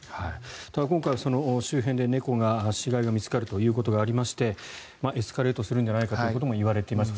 ただ、今回周辺で猫の死骸が見つかるということがありましてエスカレートするんじゃないかともいわれていました。